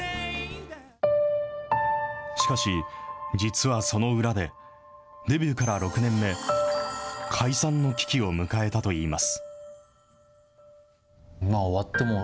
しかし、実はその裏で、デビューから６年目、解散の危機を迎えたといいます。